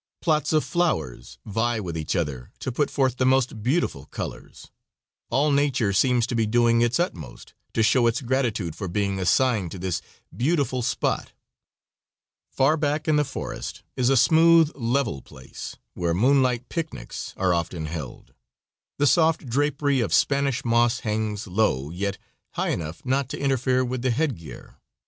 Plots of flowers vie with each other to put forth the most beautiful colors; all nature seems to be doing its utmost to show its gratitude for being assigned to this beautiful spot. Far back in the forest, is a smooth, level place, where moonlight picnics are often held. The soft drapery of Spanish moss hangs low, yet high enough not to interfere with the headgear.